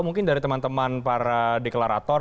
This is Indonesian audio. mungkin dari teman teman para deklarator